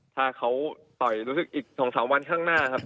ถ้าเขาต่อยรู้สึกอีก๒๓วันข้างหน้าครับ